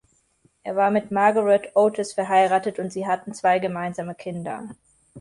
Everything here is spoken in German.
Er war mit Margaret Otis verheiratet und sie hatten zwei gemeinsame Kinder.